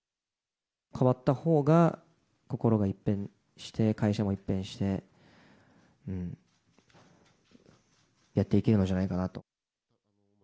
変わったほうが心が一変して、会社も一変して、やっていけるのじゃないかなと。